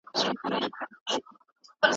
ژوند یوازې ښکلا نه ده.